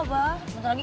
lagi lagi kan neng ujian